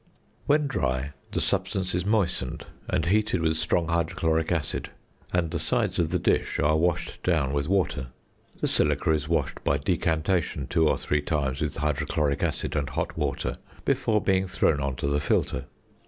When dry, the substance is moistened, and heated with strong hydrochloric acid, and the sides of the dish are washed down with water. The silica is washed by decantation two or three times with hydrochloric acid and hot water, before being thrown on to the filter.